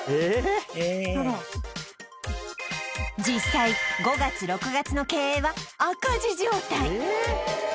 あら実際５月６月の経営は赤字状態